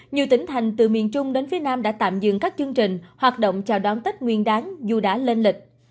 nhiều tỉnh thành từ miền trung đến phía nam đã tạm dừng các chương trình hoạt động chào đón tết nguyên đáng dù đã lên lịch